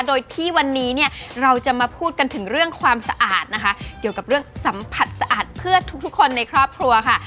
โดยที่วันนี้เนี่ยเราจะมาพูดกันถึงเรื่องความสะอาดนะคะเกี่ยวกับเรื่องสัมผัสสะอาดเพื่อทุกคนในครอบครัวค่ะ